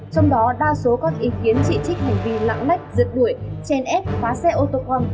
trong đó đa số có ý kiến chỉ trích hành vi lãng lách rượt đuổi chèn ép khóa xe ô tô con